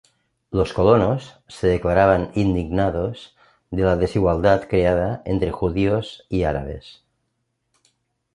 Los colonos se declaraban "indignados" de la "desigualdad creada entre judíos y árabes".